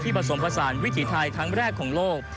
ผสมผสานวิถีไทยครั้งแรกของโลก